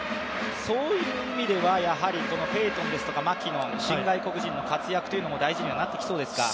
そういう意味ではペイトンですとかマキノン、新外国人の活躍も大事になってきそうですか？